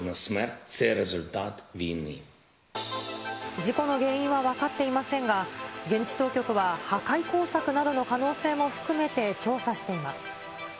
事故の原因は分かっていませんが、現地当局は破壊工作などの可能性も含めて調査しています。